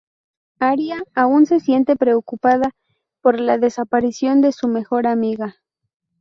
Aria aún se siente preocupada por la desaparición de su mejor amiga.